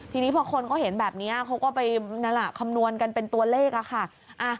ทีนี้พอคนก็เห็นแบบนี้เค้าก็ไปคำนวณกันเป็นตัวเลขค่ะ